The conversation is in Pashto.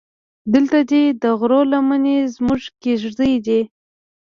دلته دې د غرو لمنې زموږ کېږدۍ دي.